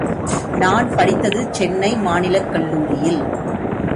நான் படித்தது சென்னை மாநிலக் கல்லூரியில்.